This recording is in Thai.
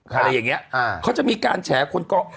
เขาจะมีการแฉคนกล้อง